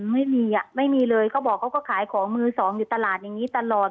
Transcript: ไม่มีอ่ะไม่มีเลยเขาบอกเขาก็ขายของมือสองอยู่ตลาดอย่างนี้ตลอด